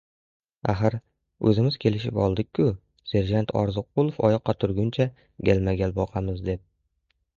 — Axir, o‘zimiz kelishib edik-ku, serjant Orziqulov oyoqqa turguncha galma-gal boqamiz deb.